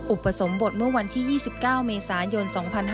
อุปสมบทเมื่อวันที่๒๙เมษายน๒๕๕๙